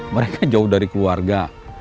mereka jauh dari keluarga